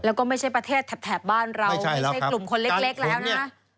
แล้วก็ไม่ใช่ประเทศแถบบ้านเราไม่ใช่กลุ่มคนเล็กแล้วนะ